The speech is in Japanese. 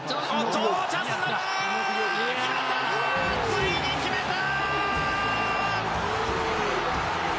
ついに決めた！